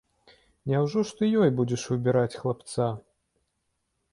Няўжо ж ты ёй будзеш выбіраць хлапца?